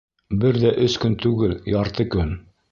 Бер ҙә өс көн түгел, ярты көн!